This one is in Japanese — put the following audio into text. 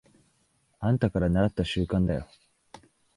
あんたからならった慣習だよ。